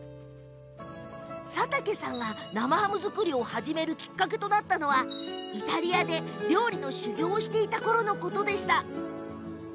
佐竹さんが生ハム作りを始めるきっかけとなったのはイタリアで料理の修業をしていたころのことでした。